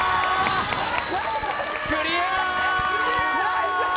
クリア！